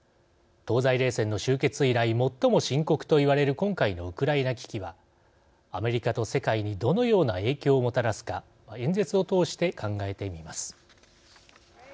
東西冷戦の終結以来最も深刻といわれる今回のウクライナ危機はアメリカと世界にどのような影響をもたらすか演説を通して考えてみます。